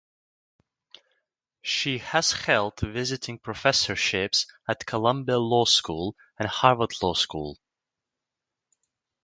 She has held visiting professorships at Columbia Law School and Harvard Law School.